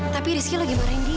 tapi rizky lagi marahin dia